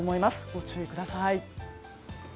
ご注意ください。